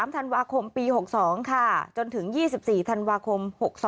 ธันวาคมปี๖๒ค่ะจนถึง๒๔ธันวาคม๖๒